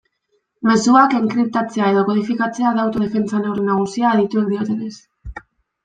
Mezuak enkriptatzea edo kodifikatzea da autodefentsa neurri nagusia adituek diotenez.